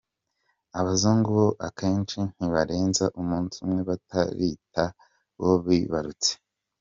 Abazungu bo akenshi ntibarenza umunsi umwe batarita uwo bibarutse.